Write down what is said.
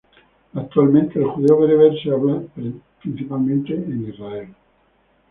Actualmente, el judeo-bereber se habla principalmente en Israel.